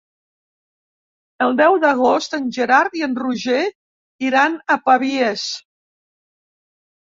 El deu d'agost en Gerard i en Roger iran a Pavies.